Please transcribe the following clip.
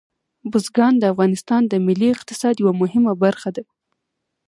بزګان د افغانستان د ملي اقتصاد یوه مهمه برخه ده.